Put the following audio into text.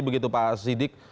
begitu pak siddiq